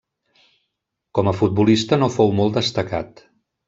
Com a futbolista no fou molt destacat.